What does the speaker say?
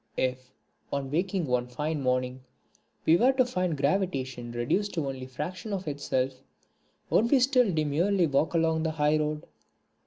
If, on waking one fine morning we were to find gravitation reduced to only a fraction of itself, would we still demurely walk along the high road?